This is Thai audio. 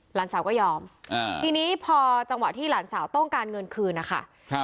หลานสาวก็ยอมอ่าทีนี้พอจังหวะที่หลานสาวต้องการเงินคืนนะคะ